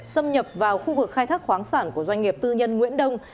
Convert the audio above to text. xâm nhập vào khu vực khai thác khoáng sản của doanh nghiệp tư nhân nguyễn đông